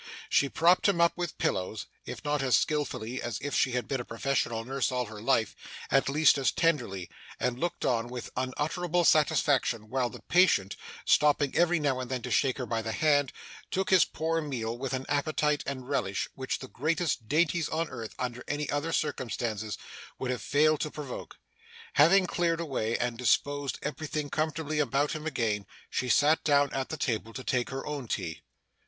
She propped him up with pillows, if not as skilfully as if she had been a professional nurse all her life, at least as tenderly; and looked on with unutterable satisfaction while the patient stopping every now and then to shake her by the hand took his poor meal with an appetite and relish, which the greatest dainties of the earth, under any other circumstances, would have failed to provoke. Having cleared away, and disposed everything comfortably about him again, she sat down at the table to take her own tea.